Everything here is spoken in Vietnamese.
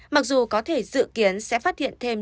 mặc dù có thể dự kiến sẽ phát hiện thêm